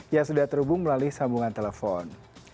yang sudah terhubung melalui sambungan telepon